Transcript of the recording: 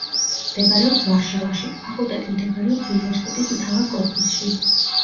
მდებარეობს ვარშავაში, ფაკულტეტი მდებარეობს უნივერსიტეტის მთავარ კორპუსში.